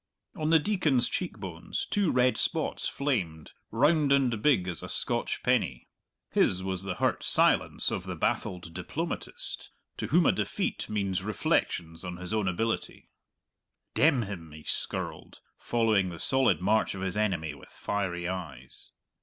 On the Deacon's cheek bones two red spots flamed, round and big as a Scotch penny. His was the hurt silence of the baffled diplomatist, to whom a defeat means reflections on his own ability. "Demn him!" he skirled, following the solid march of his enemy with fiery eyes.